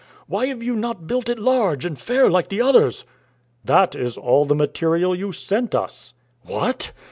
Why have you not built it large and fair, like the others?" "That is all the material you sent us." "What!"